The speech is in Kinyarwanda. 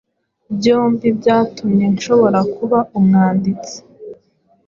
byombi byatumye nshobora kuba umwanditsi